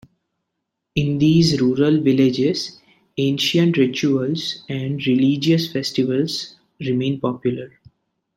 In these rural villages, ancient rituals and religious festivals remain popular.